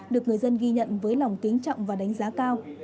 được người dân ghi nhận với lòng kính trọng và đánh giá cao